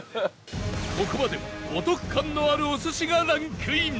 ここまではお得感のあるお寿司がランクイン